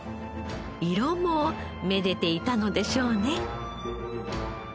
色もめでていたのでしょうね。